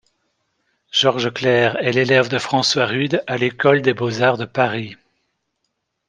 Georges Clère est l'élève de François Rude à l'École des beaux-arts de Paris.